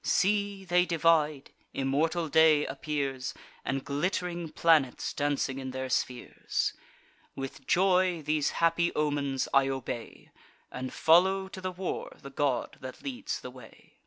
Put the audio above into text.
See, they divide; immortal day appears, And glitt'ring planets dancing in their spheres! With joy, these happy omens I obey, And follow to the war the god that leads the way."